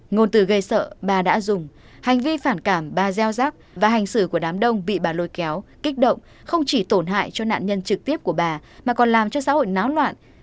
ngôn từ gây sợ bà đã dùng hành vi phản cảm ba gieo rác và hành xử của đám đông bị bà lôi kéo kích động không chỉ tổn hại cho nạn nhân trực tiếp của bà mà còn làm cho xã hội náo loạn